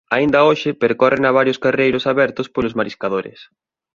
Aínda hoxe percórrena varios carreiros abertos polos mariscadores.